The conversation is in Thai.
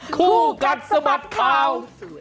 คู่กัดสะบัดข่าว